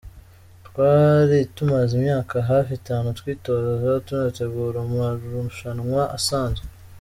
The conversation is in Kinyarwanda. Twari tumaze imyaka hafi itanu twitoza, tunategura amarushanwa asanzwe.